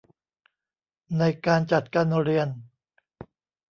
ในการจัดการเรียน